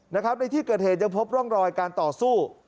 ในที่เกิดเหตุยังพบร่องรอยการต่อสู้